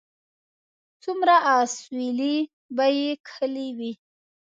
څومره اسويلي به یې کښلي وي